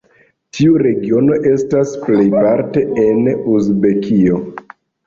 Nun tiu regiono estas plejparte en Uzbekio.